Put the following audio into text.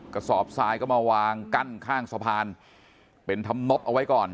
กระสอบทรายก็มาวางกั้นข้างสะพานเป็นธรรมนบเอาไว้ก่อน